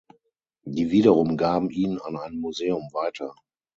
Die wiederum gaben ihn an ein Museum weiter.